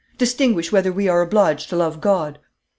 Distinguish whether we are obliged to love God!